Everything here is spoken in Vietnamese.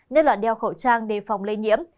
nhất là đeo khẩu trang để phòng lây nhiễm